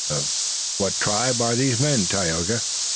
"Of what tribe are these men, Tayoga?"